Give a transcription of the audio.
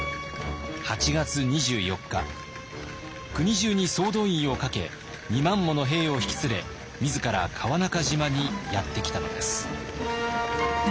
国じゅうに総動員をかけ２万もの兵を引き連れ自ら川中島にやって来たのです。